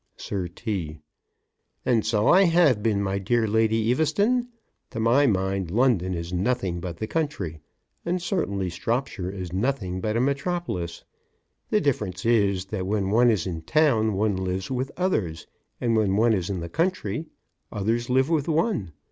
SIR T.: And so I have been, my dear Lady Eaveston. To my mind, London is nothing but the country, and certainly Stropshire is nothing but a metropolis. The difference is, that when one is in town, one lives with others, and when one is in the country, others live with one.